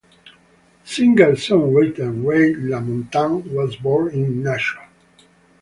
Singer-songwriter Ray LaMontagne was born in Nashua.